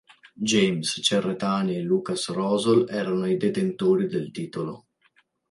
James Cerretani e Lukáš Rosol erano i detentori del titolo.